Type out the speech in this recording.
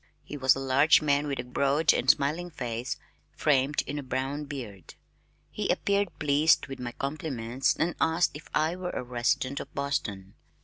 He was a large man with a broad and smiling face, framed in a brown beard. He appeared pleased with my compliments and asked if I were a resident of Boston.